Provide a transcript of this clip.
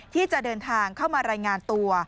ที่จะเดินทางเข้ามารายงานตัว